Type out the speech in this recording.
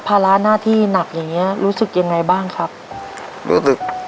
ภาระหน้าที่หนักอย่างเงี้ยรู้สึกยังไงบ้างครับรู้สึก